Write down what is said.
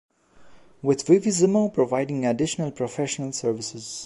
With Vivisimo providing additional professional services.